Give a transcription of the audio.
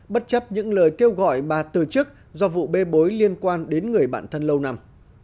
bất chấp những lời kêu gọi bà từ chức do vụ bê bối liên quan đến người bạn thân lâu năm